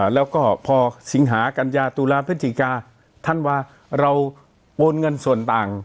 แล้วก็พอสิงหากัญญาตุลาพฤศจิกาธันวาเราโอนเงินส่วนต่าง